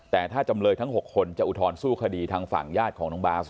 แต่ถ้าจำเลยทั้ง๖คนจะอุทธรณสู้คดีทางฝั่งญาติของน้องบาส